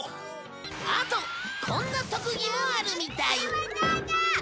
あとこんな特技もあるみたい